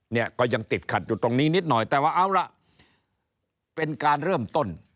เนี่ยก็ยังติดขัดอยู่ตรงนี้นิดหน่อยแต่ว่าเอาล่ะเป็นการเริ่มต้น